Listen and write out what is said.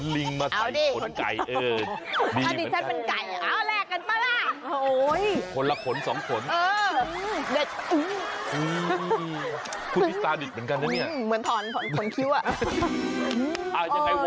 ลิงถอนขนไก่ไปหมดแล้ว